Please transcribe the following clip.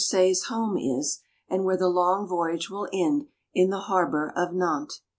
Say's home is, and where the long voyage will end in the harbor of Nantes.